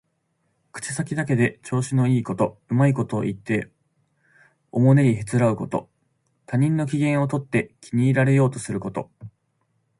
口先だけで調子のいいこと、うまいことを言っておもねりへつらうこと。他人の機嫌をとって気に入られようとすること。